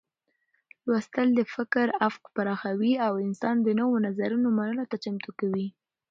لوستل د فکر افق پراخوي او انسان د نوو نظرونو منلو ته چمتو کوي.